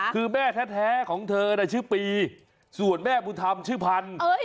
คือแม่แท้ของเธอชื่อปีส่วนแม่บุญธรรมชื่อพันธุ์